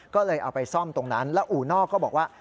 ก็เลยเอาไปซ่อมตรงนั้นแล้วอู่นอกก็บอกว่า